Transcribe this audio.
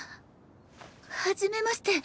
はじめまして。